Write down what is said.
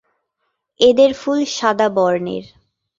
এদের ফুল সাদা বর্নের।